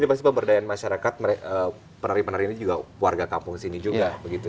ini pasti pemberdayaan masyarakat penari penarinya juga warga kampung di sini juga begitu